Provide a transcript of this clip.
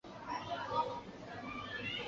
拉谢纳洛特。